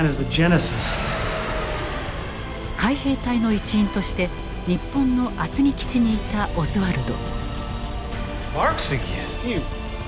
海兵隊の一員として日本の厚木基地にいたオズワルド。